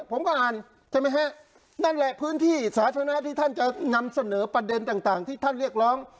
ผมก็อ่านใช่ไหมฮะนั่นแหละพื้นที่สาธารณะที่ท่านจะนำเสนอประเด็นต่างที่ท่านเรียกร้อง